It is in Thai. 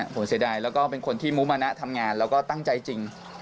ผมเสียดายแล้วก็เป็นคนที่มุมนะทำงานแล้วก็ตั้งใจจริง